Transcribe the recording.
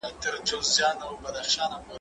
زه اوږده وخت د تکړښت لپاره ځم!.